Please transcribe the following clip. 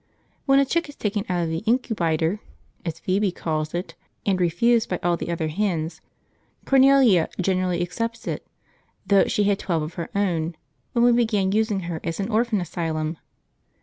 When a chick is taken out of the incubytor (as Phoebe calls it) and refused by all the other hens, Cornelia generally accepts it, though she had twelve of her own when we began using her as an orphan asylum.